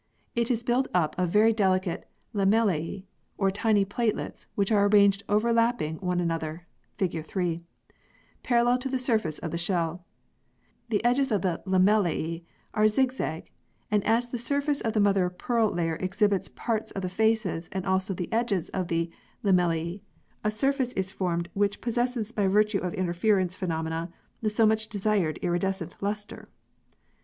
It is built up of very delicate lamellae or tiny platelets which are arranged overlapping one another (fig. 3), parallel to the surface of the shell. The edges of the lamellae are zigzag, and as the sur face of the mother of pearl layer exhibits parts of the faces and also the edges of the lamellae, a surface is Fig. 3. Nacre or Mother of Pearl laminae in surface view (highly magnified). formed which possesses by virtue of interference phenomena the so much desired iridescent lustre.